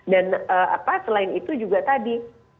selain itu juga tadi